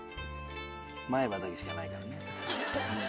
前歯しかないからね。